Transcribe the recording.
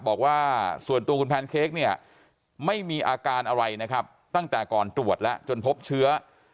บอกว่าส่วนตัวคุณแพนเค้กเนี่ยไม่มีอาการอะไรนะครับตั้งแต่ก่อนตรวจแล้วจนพบเชื้อ